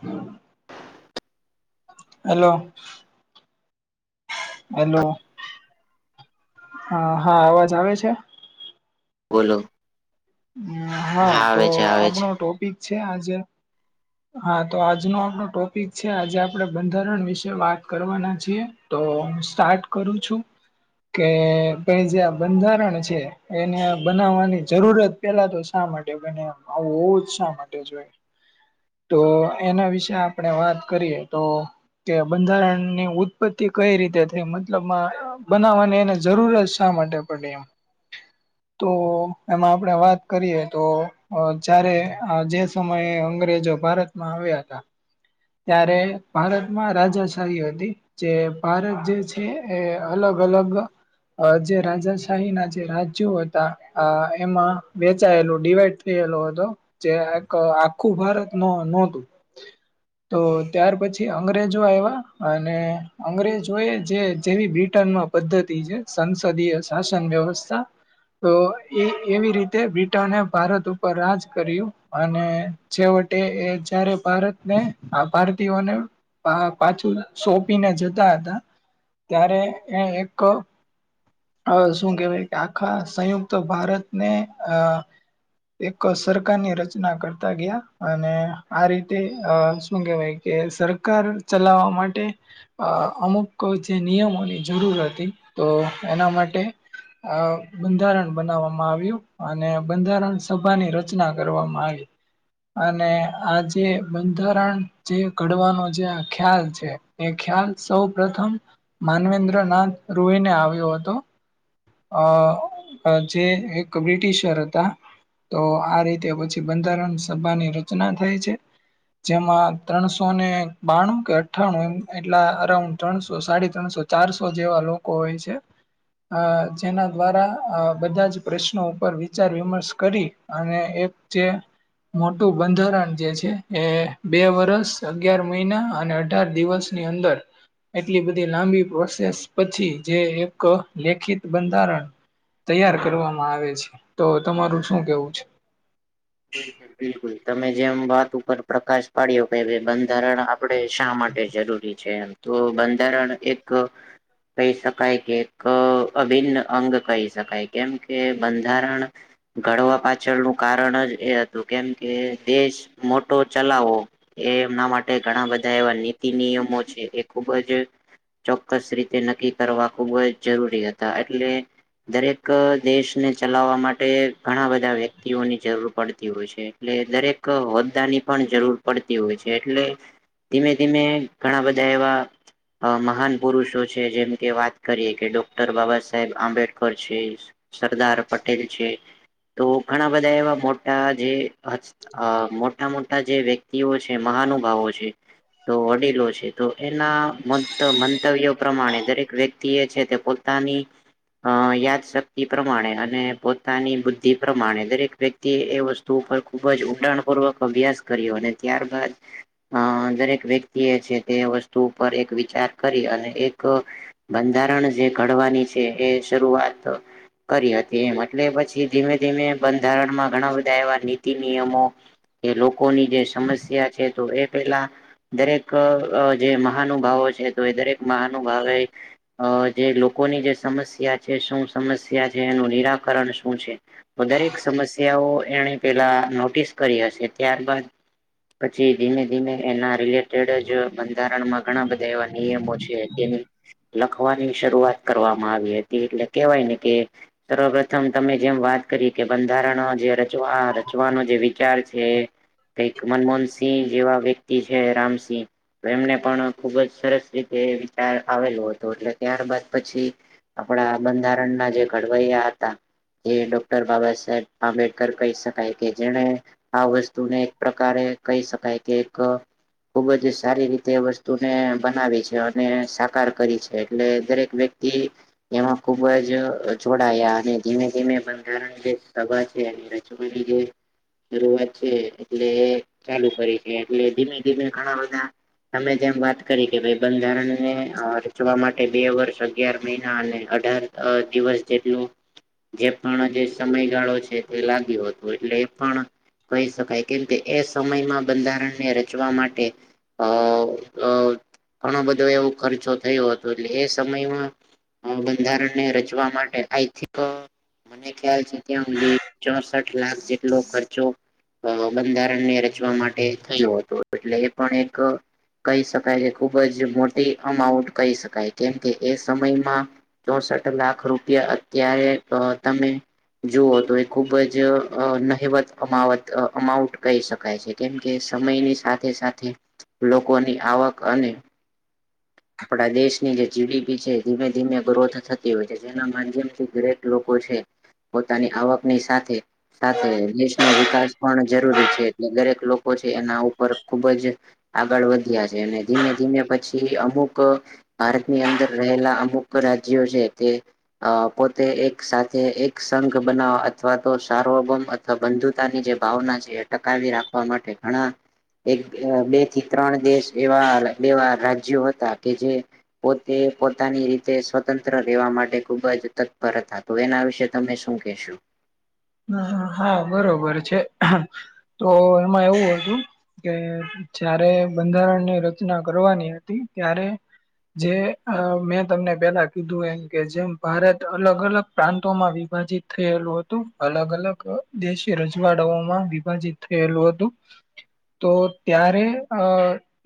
હમ. Hello. Hello, હા, હા, અવાજ આવે છે. બોલો. હમ, હા તો, આવે છે આવે છે. આપણો ટોપિક છે આજે. હા તો, આજનો આપણ ટોપિક છે, આજે આપણે બંધારણ વિશે વાત કરવાના છીએ. તો હું સ્ટાર્ટ કરું છું. કે પ જે આ બંધારણ છે એને બનાવવાની જરૂરત પેલા તો શા માટે બનાયુ આવુ હોઉ જ શા માટે જોઈ તો એના વિશે આપણે વાત કરીએ તો કે બંધારણની ઉત્પત્તિ કઈ રીતે થઈ મતલબ બનાવવાની એને જરૂર જ શા માટે પડી એમ તો એમાં આપણે વાત કરીએ તો અ જયારે જે સમયે અંગ્રેજો ભારતમાં આવ્યા હતા, ત્યારે ભારતમાં રાજાશાહી હતી. જે ભારત જે છે એ અલગ અલગ અ જે રાજાશાહીના જે રાજ્યો હતા અ એમાં વેચાયેલું ડિવાઈડ થયેલો હતો જે એક આખું ભારત નો નોતું તો ત્યાર પછી અંગ્રેજો આવ્યા અને અંગ્રેજ હોય જે જેવી બ્રિટનમાં પદ્ધતિ છે સંસદીય શાસન વ્યવસ્થા તો એ એવી રીતે બ્રિટને ભારત ઉપર રાજ કર્યું અને છેવટે એ જયારે ભારતને આ ભારતીયોને પા પાછું સોંપીને જતા હતા ત્યારે એ એક અ શું કેહેવાય કે આખા સંયુક્ત ભારતને અ એક સરકારની રચના કરતા ગયા અને આ રીતે અ શું કેહેવાય કે સરકાર ચલાવા માટે અ અમુક જે નિયમોની જરૂર હતી તો એના માટે આ બંધારણ બનાવવામાં આવ્યું અને બંધારણ સભાની રચના કરવામાં આવી. અને આ જે બંધારણ જે ઘડવાનો જે આ ખ્યાલ છે. એ ખ્યાલ સૌ પ્રથમ માનવેન્દ્રનાથ રૂહીને આવ્યો હતો. અ અ જે એક બ્રિટિશર હતા. તો આ રીતે પછી બંધારણ સભાની રચના થઇ છે. જેમાં ત્રણસો ને બાણું કે અઠ્ઠાણું એ એટલા અરાઉન્ડ ત્રણસો સાડી ત્રણસો ચારસો જેવા લોકો હોય છે. અ જેના દ્વારા અ બધા જ પ્રશ્નો ઉપર વિચાર વિમર્શ કરી અને એક જે મોટું બંધારણ જે છે એ બે વર્ષ, અગિયાર મહિના અને અઢાર દિવસ ની અંદર એટલી બધી લાંબી પ્રોસેસ પછી જે એક લેખિત બંધારણ તૈયાર કરવામાં આવે છે તો તમારું શું કેવું છે. [inaudible] બિલકુલ તમે જેમ વાત ઉપર પ્રકાશ પાડ્યો કે બંધારણ આપણે શા માટે જરૂરી છે એમ તો બંધારણ એક કહી શકાય કે એક અભિન્ન અંગ કહી શકાય કેમ કે બંધારણ ઘડવા પાછળનું કારણ જ એ હતું કેમકે દેશ મોટો ચલાવવો એ એમના માટે ઘણા બધા એવા નીતિ નિયમો છે. એ ખુબ જ ચોક્કસ રીતે નક્કી કરવા ખૂબ જ જરૂરી હતા. એટલે દરેક દેશને ચલાવવા માટે ઘણા બધા વ્યક્તિઓની જરૂર પડતી પડતી હોય છે. એટલે દરેક હોદ્દાની પણ જરૂર પડતી હોય છે. એટલે ધીમે ધીમે ઘણાં બધાં એવા મહાન પુરુષો છે. જેમ કે, વાત કરીએ કે ડોક્ટર બાબાસાહેબ આંબેડકર છે સરદાર પટેલ છે. તો ઘણા બધા એવા મોટા અ જે અ મોટા મોટા જે વ્યક્તિઓ છે, મહાનુભાવો છે [inaudible] તો વડીલો છે, તો એના મંત મંતવ્યો પ્રમાણે દરેક વ્યક્તિ એ છે તે પોત તાની અ યાદશક્તિ પ્રમાણે અને પોતાની બુદ્ધિ પ્રમાણે દરેક તે વસ્તુ ઉપર ખુબ જ ઉંડાણપૂર્વક અભ્યાસ કર્યો અને ત્યારબાદ અ દરેક વ્યક્તિ એ છે તે એ વસ્તુ ઉપર એક વિચાર કરી અને એક બંધારણ જે ઘડવાની છે એ શરૂઆત કરી હતી એમ, અટલે પછી ધીમે ધીમે બંધારણમાં ઘણા બધા એવા નિતિનિયમો એ લોકોની જે સમસ્યા છે તો એ પેલા દરેક અ જે મહાનુભાવો છે. તો એ દરેક મહાનુભાવે અ જે લોકોની જે સમસ્યા છે, શું સમસ્યા છે? એનું નિરાકરણ શું છે? વધારેક સમસ્ તો એણે પેલા નોટિસ કરી હશે, ત્યારબાદ પછી ધીમે ધીમે એના રિલેટેડ જ બંધારણમાં ઘણા બધા એવા નિયમો છે, તેની લખવાની શરૂઆત કરવામાં આવી હ એટલે કેવાયને કે સર્વપ્રથમ તમે જેમ વાત કરી કે બંધારણ જે રચવા રચવાનો જે વિચાર છે એ કંઈક મનમોહનસિંહ જેવા વ્યક્તિ છે રામસિંહ એમને પણ ખુબ જ સરસ રીતે વિચાર આવેલો હતો. એટલે ત્યારબાદ પછી આપડા બંધારણના જે ઘડવૈયા હતા, જે ડોક્ટર બાબાસાહેબ આંબેડકર કહી શકાય કે જેણે આ વસ્તુને એક પ્રકારે કહી શકાય કે એક ખુબ જ સારી રીતે વસ્તુને બનાવી છે અને સાકાર કરી છે એટલે દરેક વ્યક્ તે એમાં ખુબ જ જોડાયા અને ધીમે ધીમે બંધારણ જે સભા છે એને રચવાની જે શરૂઆત છે એટલે ચાલુ કરી કે ધીમે ધીમે ઘણાં બધાં તમે જેમ વાત કરી કે ભાઈ બંધારણને અ રચવા માટે બે વર્ષ અગ્યાર મહિના અને અઢાર અ દિવસ જેટલું જે પણ જે સમય ગાળો છે, તે લાગ્યો હતો એટલે એ પણ કહી શકાય. કેમ કે એ સમયમાં બંધારણને રચવા માટે અ ઘણો બધો એવો ખર્ચો થયો હતો એટલે એ સમયમાં બંધારણને રચવા માટે આઈ થીક અ મને ખ્યાલ છે ત્યાં હુંધી ચોસઠ લાખ જેટલો ખર્ચો બંધારણને રચવા માટે થયો હતો. એટલે એ પણ એક કહી શકાય કે ખુબ જ મોટી અમાઉન્ટ કહી શકાય. કેમકે, એ સમયમાં ચોસઠ લાખ રૂપિયા અત્યારે તો તમે જુઓ તો એ ખુબ જ અ નહિવત્ અમાવત અ અમાઉન્ટ કહી શકાય છે. કેમકે, સમયની સાથે સાથે લોકોની આવક અને [inaudible] આપણા દેશની જે જી ડી પી છે ધીમે ધીમે ગ્રોથ થતી હોય છે જેના માધ્યમથી દરેક લોકો છે પોતાની આવકની સાથે સાથે દેશનો વિકાસ પણ જરૂરી છે. એટલે દરેક લોકો છે એના ઉપર ખુબ જ આગળ વધ્યા છે અને ધીમે ધીમે પછી અમુક ભારતની અંદર રહેલા અમુક રાજ્યો છે તે અ પોતે એક સાથે એક સંઘ બનાવવા અથવા તો સાર્વભૌમ અથવા બંધુતાની જે ભાવના છે એ ટકાવી રાખ વા માટે ઘણા એક બે થી ત્રણ દેશ એવા બેવા રાજ્યો હતા કે જે પોતે પોતાની રીતે સ્વતંત્ર રહેેવા માટે ખુબ જ તત્પર હતા તો એના વિશે તમે શું કેશો? હ હા બરોબર છે તો એમાં એવું હતું. કે જારે બંધારણની રચના કરવાની હતી ત્યારે જે મેં તમને પેલા કીધું એમ કે જેમ ભારત અલગ અલગ પ્રાંતોમાં વિભાજીત થયેલુ હતું અલગ અલગ દેશી રજવાડાઓમાં વિભાજીત થયેલું હતું. તો ત્યારે અ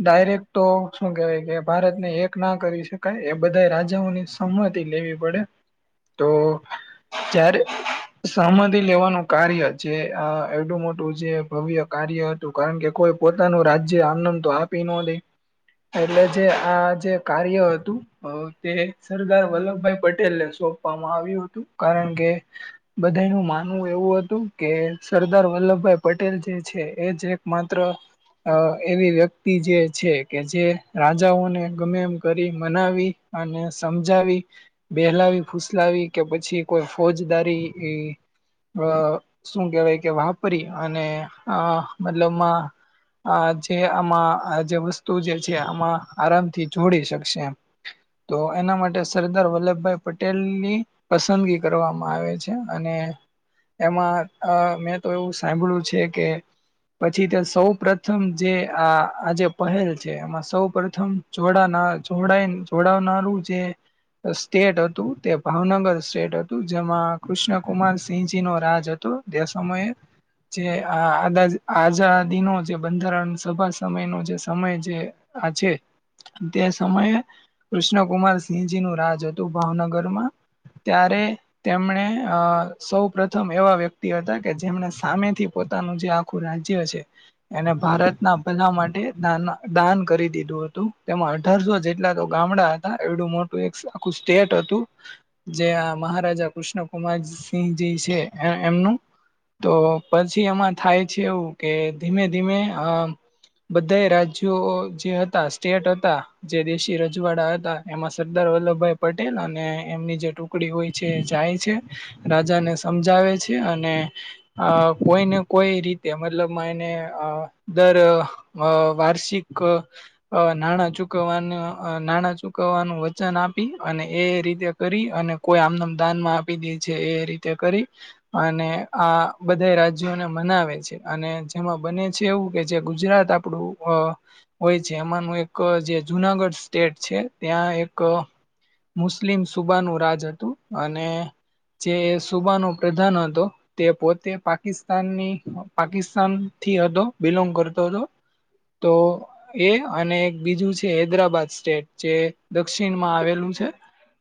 ડાયરેક્ટ તો શું કેવાય કે ભારતને એક ના કરી શકાય એ બધા રાજાઓની સંમતિ લેવી પડે તો જ્યારે સહમતી લેવાનું કાર્ય જે એવડું મોટું જે ભવ્ય કાર્ય હતું કારણ કે કોઈ પોતાનું રાજ્ય આમન આમ તો આપી ન દે. એટલે જે આ જે કાર્ય હતું તે સરદાર વલ્લભભાઈ પટેલને સોંપવામાં આવ્યું હતું કારણ કે બધા નું માનવું એવું હતું કે સરદાર વલ્લભભાઈ પટેલ જે છે એ જ એક માત્ર અ એવી વ્યક્તિ જે છે કે જે રાજાઓને ગમે એમ કરી મનાવી અને સમજાવી બેહેલાવી ફુસલાવી કે પછી કોઈ ફોજદારી એ અ શું કેહેવાય કે વાપરી અને આ મતલબમાં આ જે આમાં આ જે વસ્તુ જે છે આમાં આરામથી જોડી શકશે એમ. તો એના માટે સરદાર વલ્લભભાઈ પટેલની પસંદગી કરવામાં આવે છે. અને એમાં મેં તો એવું સાંભળ્યું છે કે પછી તે સૌ પ્રથમ જે આ આજે પહેલ છે એમાં સૌ પ્રથમ જોડાના જોવડાઈન જોડાવનારું જે સ્ટેટ હતું તે ભાવનગર સ્ટેટ હતું જેમાં કૃષ્ણ કુમાર સિંહજીનો રાજ હતો તે સમયે જે આ આ આઝાદીનો જે બંધારણ સભા સમયનો જે સમય જે આ છે તે સમયે કૃષ્ણ કુમાર સિંહજીનું રાજ હતું ભાવનગરમાં ત્યારે તેમણે અ સૌ પ્રથમ એવા વ્યક્તિ હતા કે જેમણે સામેથી પોતાનું જે આખું રાજ્ય છે એને ભારતના ભધા માટે દા દાન કરી દીધું હતું તેમાં અઢારસો જેટલા તો ગામડા હતા એવડું મોટું એક આખું સ્ટેટ હતું. જે મહારાજા કૃષ્ણ કુમાર સિંહજી છે એમનું તો પછી એમાં થાય છે એવું કે ધીમે ધીમે અ બધાય રાજ્યો જે હતા સ્ટેટ હતા. જે દેશી રજવાડા હતા એમાં સરદાર વલ્લભભાઈ પટેલ અને એમની જે ટુકડી હોય છે એ જાય છે. રાજાને સમજાવે છે અને અ કોઈને કોઈ રીતે મતલબ માં એને દર અ વાર્ષિક અ નાણાં ચૂકવવાનું નાણાં ચૂકવવાનું વચન આપી અને એ રીતે કરી અને કોઈ આમનેમ દાનમાં આપી દે છે એ રીતે કરી અને આ બધા રાજ્યોને મનાવે છે. અને જેમાં બને છે એવું કે જે ગુજરાત આપ પડું અ હોય છે. એમાંનું એક જે જુનાગઢ સ્ટેટ છે. ત્યાં એક મુસ્લિમ સુબાનું રાજ હતું. અને જે સુબાનો પ્રધાન હતો તે પોતે પાકિસ્તાનની પાકિસ્તાન થી હતો, બિલોંગ કરતો હતો. તો એ અને એક બીજું છે હૈદરાબાદ સ્ટેટ જે દક્ષિણમાં આવેલું છે.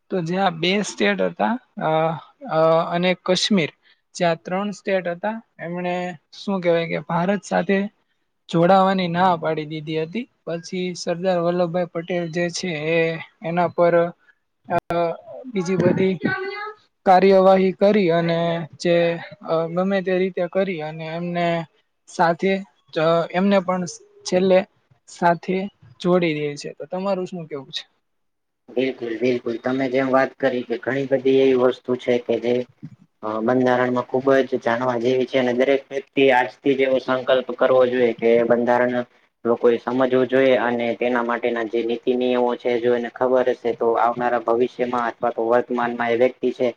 તો જ્યાં બે સ્ટેટ હતા. અ અને કાશ્મીર. જ્યાં ત્રણ સ્ટેટ હતા. એમણે શું કેહેવાય કે ભારત સાથે જોડાવાની ના પાડી દીધી હતી. પછી સરદાર વલ્લભભાઈ પટેલ જે છે એ એના પર આ બીજી બધી કાર્યવાહી કરી અને જે ગમે તે રીતે કરી અને એમને સાથે જ એમને પણ છેલ્લે સાથે જોડી રે છે. તો તમારું શું કેવું છે? બિલકુલ બિલકુલ, તમે જેમ વાત કરી કે ઘણી બધી એવી વસ્તુ તું છે કે જે અ બંધારણમાં ખુબ જ જાણવા જેવી છે. અને દરેક વ્યક્તિ આજથી જ એવો સંકલ્પ કરવો જોઈએ કે બંધારણ લોકો એ સમજવું જોઈએ અને તેના માટેના જે નીતિ નિયમો છે. જોને ખબર હશે તો આવનારા ભવિષ્યમાં અથવા તો વર્તમાનમાં એ વ્યક્તિ છે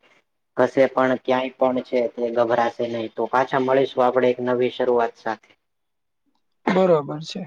કશે પણ ક્યાંય પણ છે તે ગભરાશે નહી. તો પાછા મળીશું આપણે એક નવી શરૂઆત સાથે. બરોબર છે.